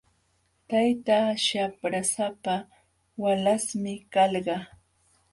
Taytaa shaprasapa walaśhmi kalqa.